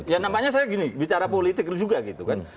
ya nampaknya saya gini bicara politik juga gitu kan